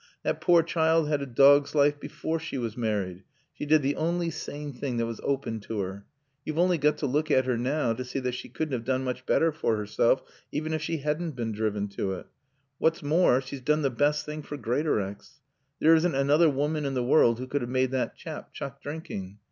That poor child had a dog's life before she married. She did the only sane thing that was open to her. You've only got to look at her now to see that she couldn't have done much better for herself even if she hadn't been driven to it. What's more, she's done the best thing for Greatorex. There isn't another woman in the world who could have made that chap chuck drinking.